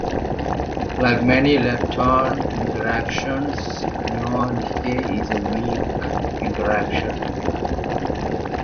Like many lepton interactions, muon decay is a Weak Interaction.